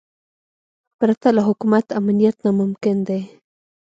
پرته له حکومت امنیت ناممکن دی.